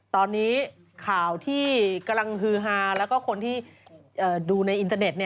ตอนนี้ข่าวที่กำลังฮือฮาแล้วก็คนที่ดูในอินเทอร์เน็ต